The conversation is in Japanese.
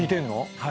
はい。